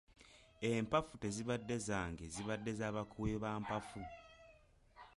Empafu tezibadde zange zibadde za bakubi ba mpafu.